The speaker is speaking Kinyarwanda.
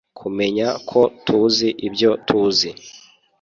kumenya ko tuzi ibyo tuzi